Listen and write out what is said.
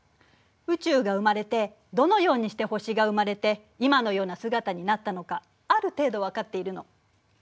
宇宙が生まれてどのようにして星が生まれて今のような姿になったのかある程度分かっているの。